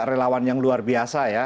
relawan yang luar biasa ya